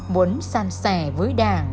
muốn san sẻ với đảng